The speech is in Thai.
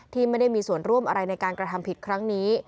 ที่ไม่ได้มีส่วนร่วมอะไรในการกระทำผิดครั้งนี้